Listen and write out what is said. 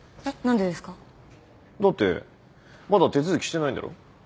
だってまだ手続きしてないんだろ？